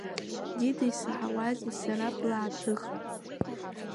Дида исаҳауазеи, сара блааҭых!